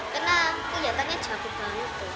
karena kelihatannya jago banget tuh